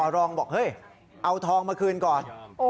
ลองบอกเอาทองมาคืนก่อน